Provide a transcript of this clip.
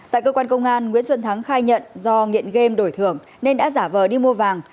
tại cơ quan công an nguyễn xuân thắng khai nhận do nghiện game đổi thưởng nên đã giả vờ đi mua vàng